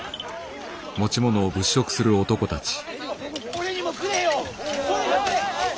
俺にもくれよ！